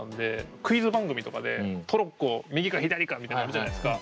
クイズ番組とかでトロッコ右か左かみたいなのあるじゃないですか。